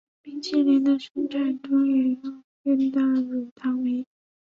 冰淇淋的生产中也要用到乳糖酶。